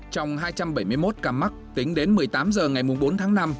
trong hai trăm bảy mươi một ca mắc tính đến một mươi tám h ngày bốn tháng năm